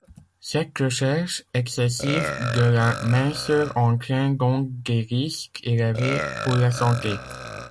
Cette recherche excessive de la minceur entraîne donc des risques élevés pour la santé.